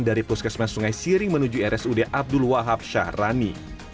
dari puskesmas sungai siring menuju rsud abdul wahab syahrani